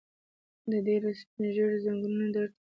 د ډيرو سپين ږيرو ځنګنونه درد کوي.